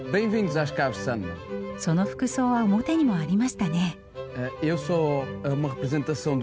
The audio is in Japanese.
その服装は表にもありましたね。